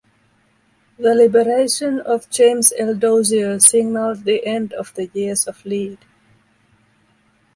The liberation of James L. Dozier signaled the end of the years of lead.